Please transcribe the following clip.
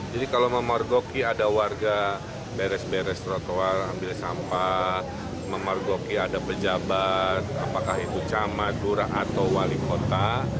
jadi kalau memorgoki ada warga beres beres trotoar ambil sampah memorgoki ada pejabat apakah itu camat dura atau wali kota